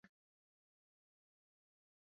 دڵنیا نیم چۆن ئەوە بکەم.